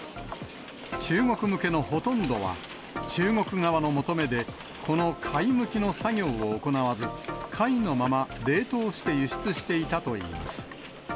中国向けのほとんどは中国側の求めで、この貝むきの作業を行わず、貝のまま冷凍して輸出していたといいます。